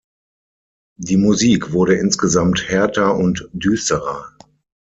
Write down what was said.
Die Musik wurde insgesamt härter und düsterer.